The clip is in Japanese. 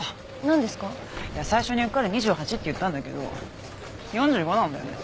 最初にうっかり２８って言ったんだけど４５なんだよね。